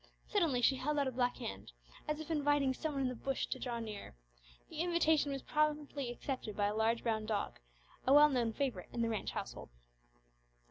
Suddenly she held out a black hand as if inviting some one in the bush to draw near. The invitation was promptly accepted by a large brown dog a well known favourite in the ranch household.